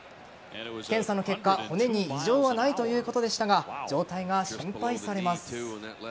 検査の結果、骨に異常はないということでしたが状態が心配されます。